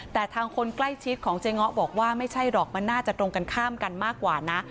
แต่ทางคนใกล้ชิดของเจ๊ง้อบอกว่าไม่ใช่หรอกมันน่าจะตรงกันข้ามกันมากกว่านะ